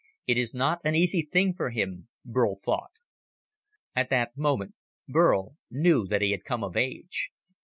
It is not an easy thing for him, Burl thought. At that moment, Burl knew that he had come of age.